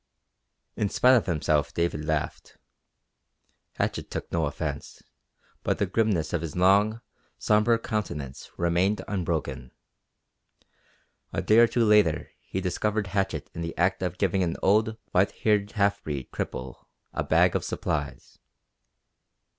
In spite of himself David laughed. Hatchett took no offense, but the grimness of his long, sombre countenance remained unbroken. A day or two later he discovered Hatchett in the act of giving an old, white haired, half breed cripple a bag of supplies.